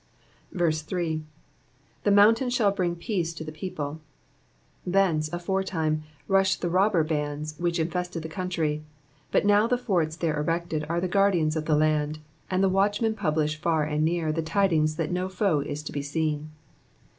3. !%« mountains shall bring peace to the people,'''' Thence, aforetime, rushed the robber bands which infested the country; but now the forts there erected are the guardians of the land, and the watchmen publish far and near the tidings that no foe is to be seen.